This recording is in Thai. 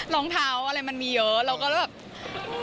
รองเท้ามีเยอะแล้วเราก็เลยแบบ